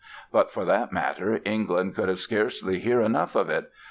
But for that matter, England could scarcely hear enough of it.